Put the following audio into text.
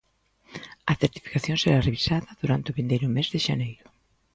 A certificación será revisada durante o vindeiro mes de xaneiro.